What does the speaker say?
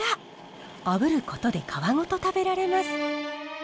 あぶることで皮ごと食べられます。